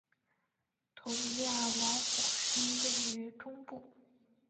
图里亚尔瓦火山位于中部。